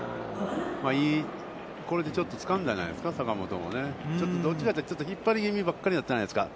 いい、これでちょっとつかんだじゃないですか、坂本もね、どっちかというと引っ張りぎみばっかりだったじゃないですか。